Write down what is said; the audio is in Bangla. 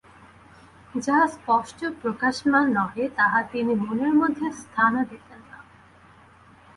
যাহা স্পষ্ট প্রকাশমান নহে তাহা তিনি মনের মধ্যে স্থানও দিতেন না।